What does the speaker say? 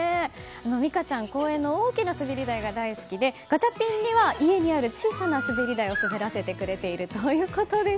実架ちゃん公園の大きな滑り台が大好きでガチャピンには家にある小さな滑り台を滑らせてくれるということです。